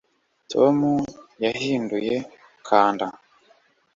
tom yahinduye kanda